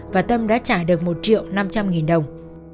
và tâm đã trả được một triệu năm trăm linh nghìn đồng